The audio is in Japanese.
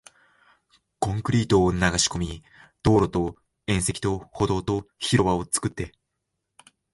コンクリートを流し込み、道路と縁石と歩道と広場を作って